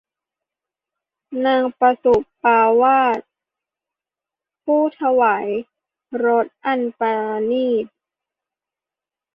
นางสุปปวาสา ผู้ถวายรสอันปราณีต